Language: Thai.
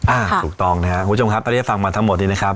ถูกต้องนะครับคุณผู้ชมครับตอนนี้ฟังมาทั้งหมดนี้นะครับ